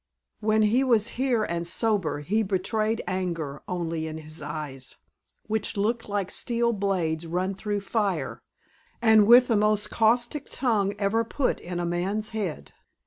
When he was here and sober he betrayed anger only in his eyes, which looked like steel blades run through fire, and with the most caustic tongue ever put in a man's head.